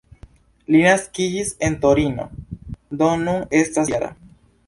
Li naskiĝis en Torino, do nun estas -jara.